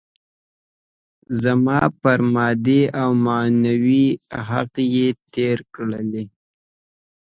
زما پر مادي او معنوي حق يې تېری کړی.